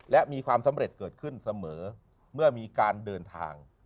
และมีความสำเร็จเกิดขึ้นเสมอเมื่อมีการเดินทาง